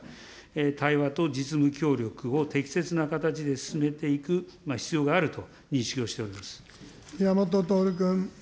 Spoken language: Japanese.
対話と実務協力を適切な形で進めていく必要があると認識をしてお宮本徹君。